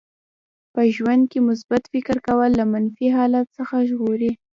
په ژوند کې مثبت فکر کول له منفي حالت څخه وژغوري.